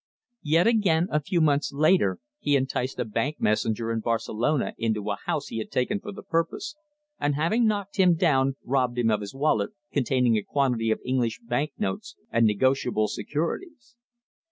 Yet again, a few months later he enticed a bank messenger in Barcelona into a house he had taken for the purpose, and having knocked him down robbed him of his wallet containing a quantity of English bank notes and negotiable securities.